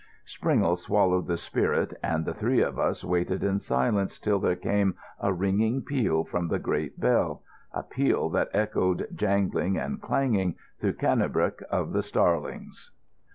Springle swallowed the spirit, and the three of us waited in silence till there came a ringing peal from the great bell, a peal that echoed jangling and clanging through Cannebrake of the Starlings.